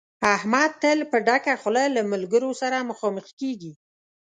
احمد تل په ډکه خوله له ملګرو سره مخامخ کېږي.